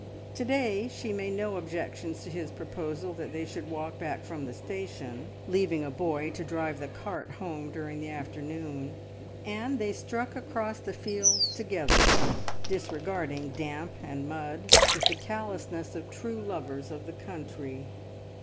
To day she made no objections to his proposal that they should walk back from the station, leaving a boy to drive the cart home during the afternoon, and they struck across the fields together, disregarding damp and mud with the callousness of true lovers of the country.